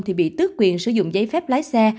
thì bị tước quyền sử dụng giấy phép lái xe